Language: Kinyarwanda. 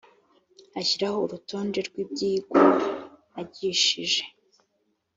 ashyiraho urutonde rw ibyigwa agishije